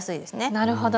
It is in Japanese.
なるほど。